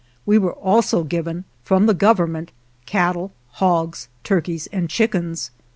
179 I GERONIMO also given, from the Government, cattle, hogs, turkeys and chickens.